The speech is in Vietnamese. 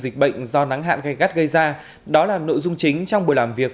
dịch bệnh do nắng hạn gây gắt gây ra đó là nội dung chính trong buổi làm việc